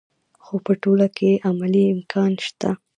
خو په ټوله کې یې عملي امکان شته.